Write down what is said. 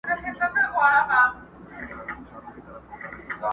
ماچي سکروټي په غاښو چیچلې٫